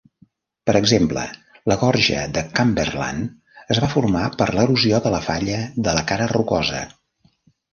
Per exemple, la gorja de Cumberland es va formar per l'erosió de la Falla de la Cara Rocosa.